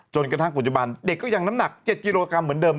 จนกระทั่งปัจจุบันเด็กก็ยังน้ำหนัก๗กิโลกรัมเหมือนเดิม